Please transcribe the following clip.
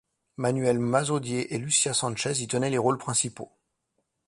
Manuel Mazaudier et Lucia Sanchez y tenaient les rôles principaux.